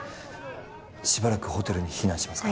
しばらくホテルに避難しますか？